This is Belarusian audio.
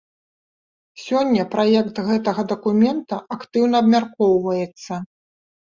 Сёння праект гэтага дакумента актыўна абмяркоўваецца.